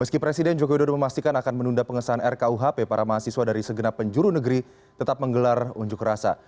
meski presiden joko widodo memastikan akan menunda pengesahan rkuhp para mahasiswa dari segenap penjuru negeri tetap menggelar unjuk rasa